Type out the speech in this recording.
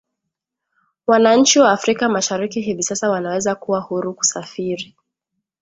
Wananchi wa Afrika Mashariki hivi sasa wanaweza kuwa huru kusafiri